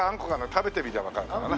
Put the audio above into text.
食べてみりゃわかるからな。